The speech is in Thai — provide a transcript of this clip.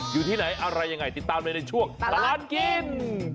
อยู่ที่ไหนอะไรยังไงติดตามเลยในช่วงตลอดกิน